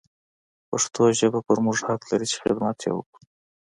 پښتو ژبه پر موږ حق لري چې حدمت يې وکړو.